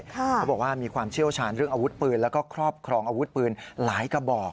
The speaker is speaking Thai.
เขาบอกว่ามีความเชี่ยวชาญเรื่องอาวุธปืนแล้วก็ครอบครองอาวุธปืนหลายกระบอก